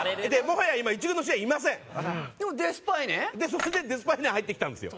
それでデスパイネ入ってきたんですよ。